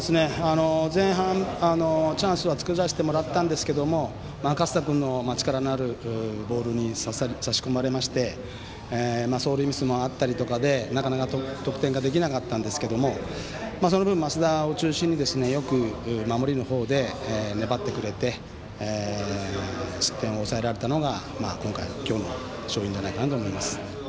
前半、チャンスは作らせてもらったんですが勝田君の力のあるボールに差し込まれて走塁ミスもあったりでなかなか得点ができなかったんですけどその分、升田を中心によく守りの方で粘ってくれて失点を抑えられたのが今日の勝因ではないかと思います。